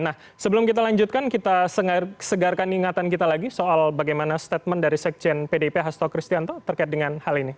nah sebelum kita lanjutkan kita segarkan ingatan kita lagi soal bagaimana statement dari sekjen pdip hasto kristianto terkait dengan hal ini